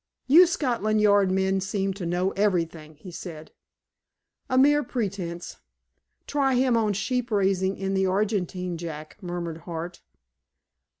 "You Scotland Yard men seem to know everything," he said. "A mere pretense. Try him on sheep raising in the Argentine, Jack," murmured Hart.